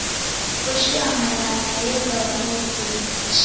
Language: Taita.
Koshi ya Mayana yeva w'ana ikumi